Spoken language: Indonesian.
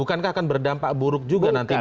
bukankah akan berdampak buruk juga nanti bagi